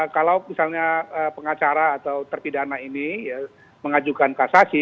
kalau misalnya pengacara atau terpidana ini mengajukan kasasi